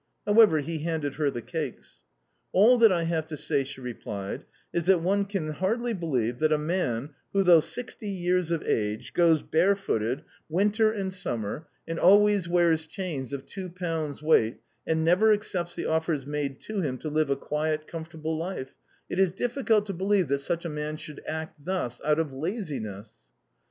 However, he handed her the cakes. "All that I have to say," she replied, "is that one can hardly believe that a man who, though sixty years of age, goes barefooted winter and summer, and always wears chains of two pounds' weight, and never accepts the offers made to him to live a quiet, comfortable life it is difficult to believe that such a man should act thus out of laziness."